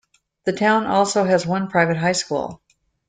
The town also has one private high school.